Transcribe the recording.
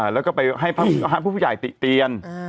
แล้วก็ไปให้ผู้ใหญ่ติเตียน